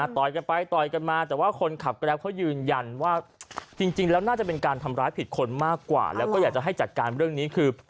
กันไปต่อยกันมาแต่ว่าคนขับแกรปเขายืนยันว่าจริงแล้วน่าจะเป็นการทำร้ายผิดคนมากกว่าแล้วก็อยากจะให้จัดการเรื่องนี้คือ